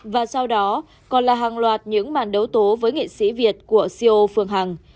và sau đó còn là hàng loạt những màn đấu tố với nghị sĩ việt của ceo phương hằng